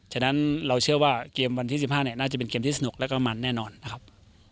ฉะนั้นเราเชื่อว่าเกมวันที่๑๕น่าจะเป็นเกมที่สนุกแล้วก็มันแน่นอนนะครับ